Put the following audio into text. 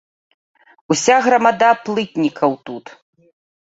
Уся грамада плытнікаў тут.